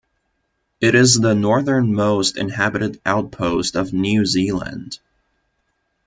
It is the northernmost inhabited outpost of New Zealand.